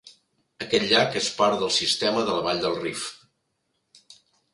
Aquest llac és part del sistema de la Vall del Rift.